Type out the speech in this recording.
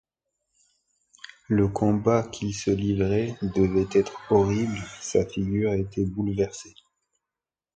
Le combat qu’il se livrait devait être horrible, sa figure était bouleversée.